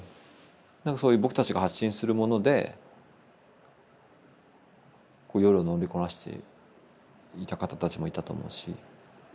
なんかそういう僕たちが発信するもので夜を乗りこなしていた方たちもいたと思うし。